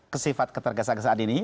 kesifat keterkesan saat ini